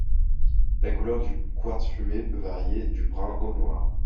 La couleur du quartz fumé peut varier du brun au noir.